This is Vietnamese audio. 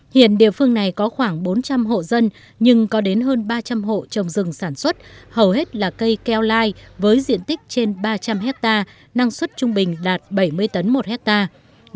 hiện địa phương này có khoảng bốn trăm linh hộ dân nhưng có đến hơn ba trăm linh hộ trồng rừng sản xuất hầu hết là cây keo lai với diện tích trên ba trăm linh hectare năng suất trung bình đạt bảy mươi tấn một hectare